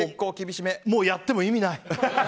もう、やっても意味ない。